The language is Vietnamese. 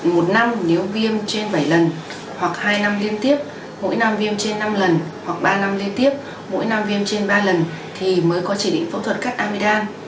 một năm nếu viêm trên bảy lần hoặc hai năm liên tiếp mỗi năm viêm trên năm lần hoặc ba năm liên tiếp mỗi năm viêm trên ba lần thì mới có chỉ định phẫu thuật cắt amidam